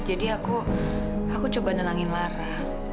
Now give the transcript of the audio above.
jadi aku aku coba nenangin lara